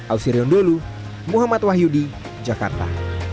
ausirion dholu muhammad wahyudi jakarta